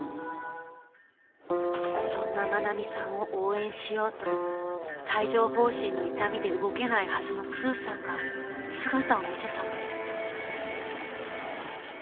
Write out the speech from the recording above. ［そんな愛美さんを応援しようと帯状疱疹の痛みで動けないはずのスーさんが姿を見せたのです］